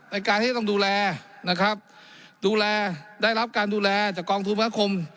ในการที่จะต้องดูแลนะครับดูแลได้รับการดูแลจากกองทุนภาคม